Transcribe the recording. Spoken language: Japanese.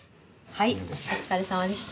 はいお疲れさまでした。